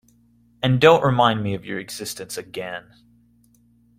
And don’t remind me of your existence again.